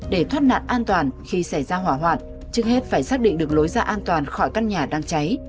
để thoát nạn an toàn khi xảy ra hỏa hoạn trước hết phải xác định được lối ra an toàn khỏi căn nhà đang cháy